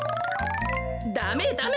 ダメダメ。